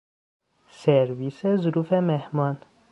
سرویس ظروف مهمان